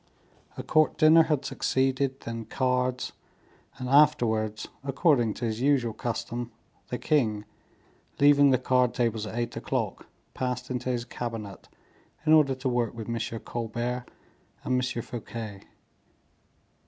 A court dinner had succeeded, then cards, and afterwards, according to his usual custom, the king, leaving the card tables at eight o'clock, passed into his cabinet in order to work with M. Colbert and M. Fouquet.